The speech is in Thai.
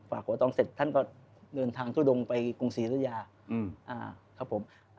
หัวตองเสร็จท่านก็เดินทางทุดงไปกรุงศรีธุยาครับผม